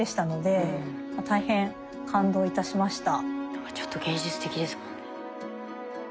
何かちょっと芸術的ですもんね。